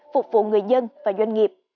phục vụ người dân và doanh nghiệp